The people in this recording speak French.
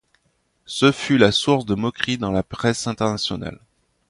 Ce fut la source de moqueries dans la presse internationale.